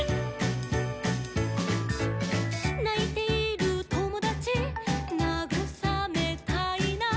「ないているともだちなぐさめたいな」